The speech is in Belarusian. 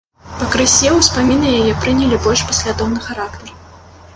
Пакрысе ўспаміны яе прынялі больш паслядоўны характар.